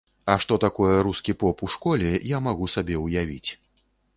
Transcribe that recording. А што такое рускі поп у школе, я магу сабе ўявіць.